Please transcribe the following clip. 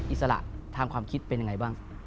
อิสระทางความคิดเป็นยังไงบ้าง